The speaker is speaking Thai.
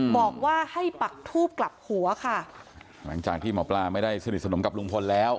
บอกว่าให้ปักทูบกลับหัวค่ะหลังจากที่หมอปลาไม่ได้สนิทสนมกับลุงพลแล้ว